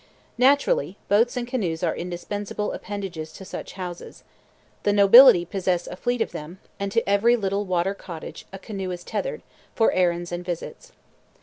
Naturally, boats and canoes are indispensable appendages to such houses; the nobility possess a fleet of them, and to every little water cottage a canoe is tethered, for errands and visits.